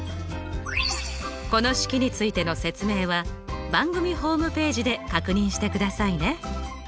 この式についての説明は番組ホームページで確認してくださいね。